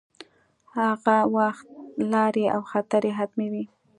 هغه وخت لارې او خطرې حتمې وې.